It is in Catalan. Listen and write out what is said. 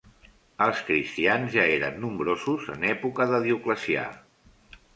Els cristians ja eren nombrosos en època de Dioclecià.